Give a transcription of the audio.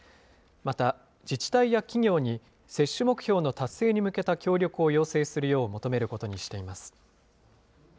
また、自治体や企業に接種目標の達成に向けた協力を要請するよう求めることにしています。